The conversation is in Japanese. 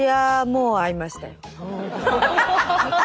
もう会いましたよ。